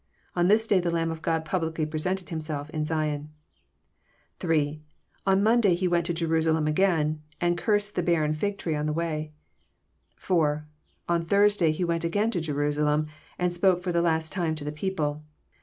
On this day the Lamb of God publicly presented Himself in Zion. (3) On Monday He went to Jerusalem again, and cursed the barren fig tree on the way. (4) On Tuesday He went again to Jerusa lem, and spoke for the last time to the people.